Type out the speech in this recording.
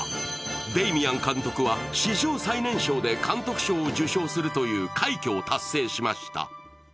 デイミアン監督は史上最年少で監督賞を受賞するという快挙を達成しました。